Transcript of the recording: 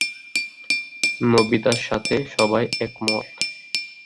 নোবিতার সাথে সবাই একমত।